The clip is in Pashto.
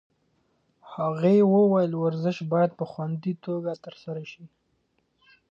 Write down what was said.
هغې وویل ورزش باید په خوندي توګه ترسره شي.